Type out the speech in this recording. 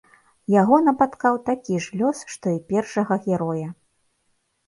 Яго напаткаў такі ж лёс, што і першага героя.